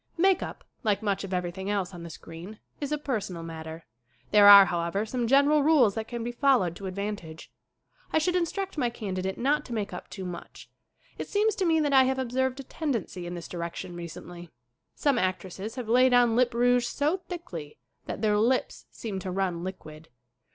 Make up, like much of everything else on the screen, is a personal matter. There are, how ever, some general rules that can be followed to advantage. I should instruct my candidate not to make up too much. It seems to me that I have ob served a tendency in this direction recently. Some actresses have laid on lip rouge so thickly that their lips seem to run liquid.